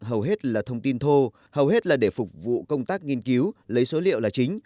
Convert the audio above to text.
hầu hết là thông tin thô hầu hết là để phục vụ công tác nghiên cứu lấy số liệu là chính